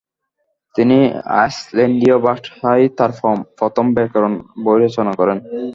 তিনি আইসল্যান্ডীয় ভাষায় তার প্রথম ব্যাকরণ বই রচনা করেন।